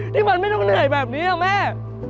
ที่มันไม่ต้องเหนื่อยแบบนี้แม่